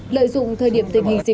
lợi dụng thời điểm tình hình diễn